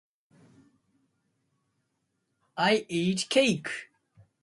I eat cake